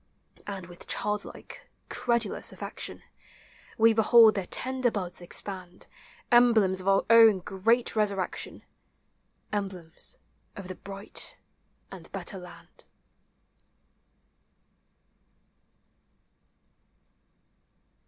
And with childlike, credulous affection, We behold their tender buds expand — Emblems of our own great resurrection. Emblems of the bright and better land.